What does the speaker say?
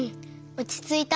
おちついた。